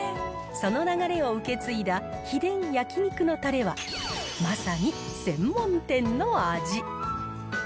その流れを受け継いだ秘伝焼肉のたれは、まさに専門店の味。